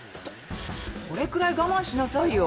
これくらい我慢しなさいよ。